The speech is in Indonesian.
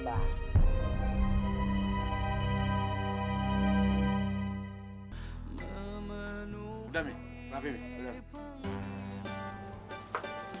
udah bi nanti bi udah